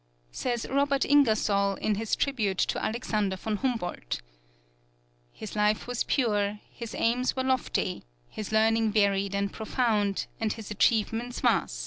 Says Robert Ingersoll in his tribute to Alexander von Humboldt: "His life was pure, his aims were lofty, his learning varied and profound, and his achievements vast.